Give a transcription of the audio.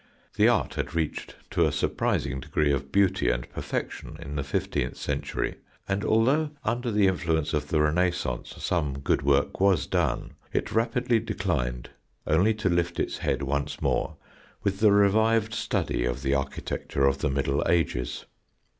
The art had reached to a surprising degree of beauty and perfection in the fifteenth century, and although under the influence of the Renaissance some good work was done, it rapidly declined only to lift its head once more with the revived study of the architecture of the Middle Ages.